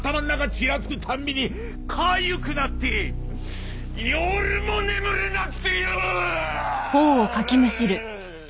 チラつくたんびにかゆくなって夜も眠れなくてよー！